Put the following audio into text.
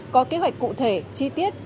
có kế hoạch cụ thể chi tiết